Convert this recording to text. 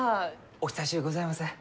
お久しゅうございます。